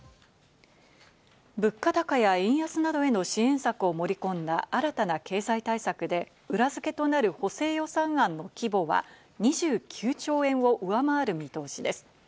物価高や円安などへの支援策を盛り込んだ新たな経済対策で、裏付けとなる補正予算案の規模は２９兆円を上回る見通しです。